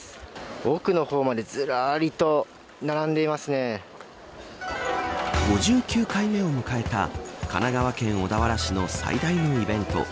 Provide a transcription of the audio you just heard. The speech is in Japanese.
奥の方まで５９回目を迎えた神奈川県小田原市の最大のイベント